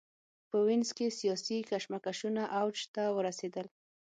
په وینز کې سیاسي کشمکشونه اوج ته ورسېدل.